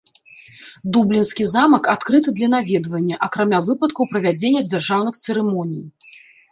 Дублінскі замак адкрыты для наведвання, акрамя выпадкаў правядзення дзяржаўных цырымоній.